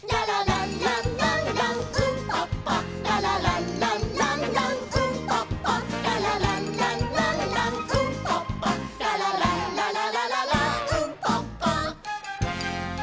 「ララランランランランウンパッパ」「ララランランランランウンパッパ」「ララランランランランウンパッパ」「ララランラララララーウンパッパ」